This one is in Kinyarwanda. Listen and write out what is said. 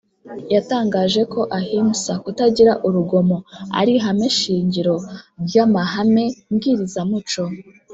yatangaje ko ahimsa (kutagira urugomo) ari ihame shingiro ry’amahame mbwirizamuco